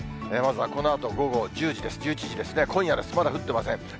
まずはこのあと午後１０時です、１１時ですね、今夜ですね、まだ降ってません。